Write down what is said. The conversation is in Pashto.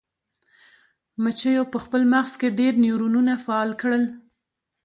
مچیو په خپل مغز کې ډیر نیورونونه فعال کړل.